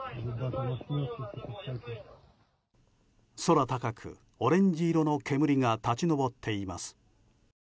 空高く、オレンジ色の煙が立ち上っています。